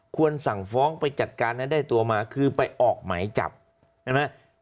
ควรสั่งฟ้องไปจัดการให้ได้ตัวมาคือไปออกหมายจับเห็นไหม